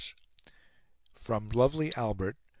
From Lovely Albert!